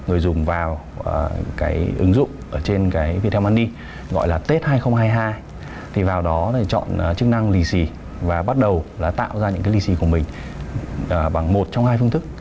người dùng vào cái ứng dụng ở trên cái viettel money gọi là tết hai nghìn hai mươi hai thì vào đó chọn chức năng lì xì và bắt đầu là tạo ra những cái lì xì của mình bằng một trong hai phương thức